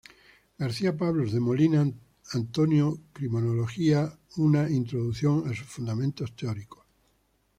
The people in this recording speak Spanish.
García-Pablos de Molina, Antonio: "Criminología Una introducción a sus fundamentos teóricos".